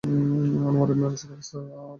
আনোয়ারের মানসিক অবস্থাটা আমি বুঝি।